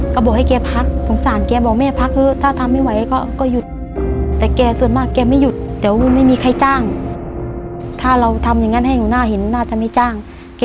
ก็บอกแก่แบบวูบว่าแกจะจริงทางสาแบบเหมือนไม่ไหว